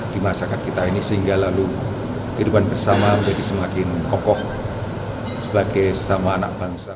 di masyarakat kita ini sehingga lalu kehidupan bersama menjadi semakin kokoh sebagai sesama anak bangsa